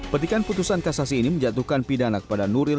petikan putusan kasasi ini menjatuhkan pidana kepada nuril